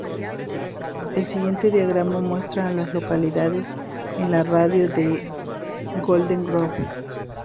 El siguiente diagrama muestra a las localidades en un radio de de Golden Grove.